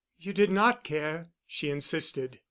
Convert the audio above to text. "You did not care," she insisted.